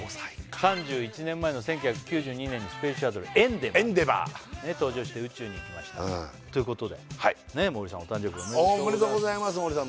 ３１年前の１９９２年にスペースシャトル・エンデバーに搭乗して宇宙に行きましたということで毛利さんお誕生日おめでとうございますおめでとうございます毛利さん